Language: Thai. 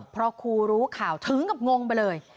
พอครูรู้ข่าวถึงกับงงไปเลย